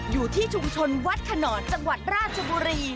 อยู่ที่ชุมชนวัดขนอนจังหวัดราชบุรี